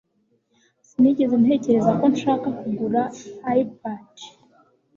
Sinigeze ntekereza ko nshaka kugura iPad